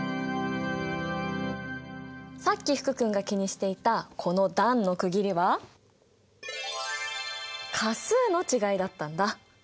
さっき福君が気にしていたこの段の区切りは価数の違いだったんだ。